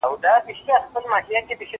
زه بايد وخت ونیسم!